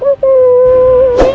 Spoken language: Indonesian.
tolong aku tuh